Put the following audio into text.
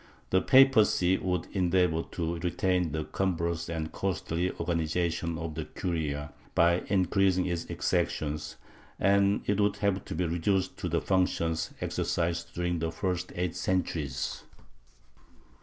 The papacy would endeavor to retain the cum brous and costly organization of the curia, by increasing its ex actions, and it would have to be reduced to the functions exercised during the first eight centuries.